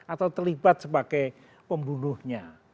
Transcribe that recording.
atau terlibat sebagai pembunuhnya